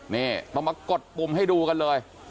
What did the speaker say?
นี่ต้องมากดปุ่มให้ดูกันเลย